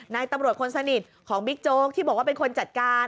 นายตำรวจคนสนิทของบิ๊กโจ๊กที่บอกว่าเป็นคนจัดการ